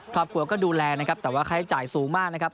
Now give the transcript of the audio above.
ภาพกลัวก็ดูแลนะครับแต่ว่าใช้จ่ายสูงมากนะครับ